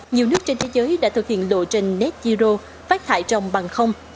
nhiều nước trên thế giới đã thực hiện lộ trình net zero phát thải trồng bằng không